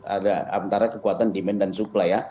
ada antara kekuatan demand dan supply ya